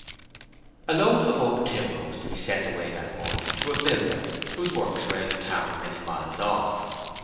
A load of oak timber was to be sent away that morning to a builder whose works were in a town many miles off.